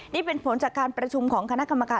นี่เป็นผลจากการประชุมของคณะกรรมการ